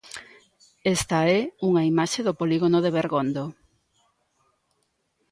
Esta é unha imaxe do polígono de Bergondo.